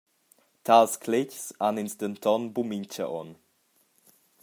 Tals cletgs han ins denton buca mintga onn.